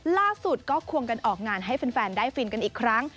ล่าสุดก็ควงกันออกงานให้แฟนได้ฟินกันอีกครั้ง